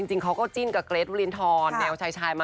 จริงเขาก็จิ้นกับเกรทวรินทรแนวชายมา